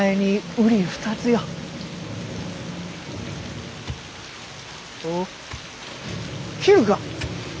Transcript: おっ斬るか。